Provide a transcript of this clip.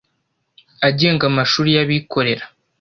agenga amashuri y Abikorera